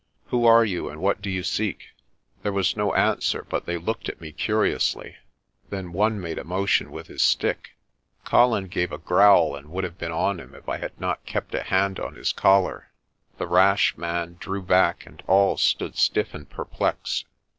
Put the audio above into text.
"Who are you and what do you seek? J There was no answer but they looked at me curiously. Then one made a motion with his stick. Colin gave a growl and would have been on him if I had not kept a hand on his collar. The rash man drew back and all stood stiff and perplexed.